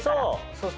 そう！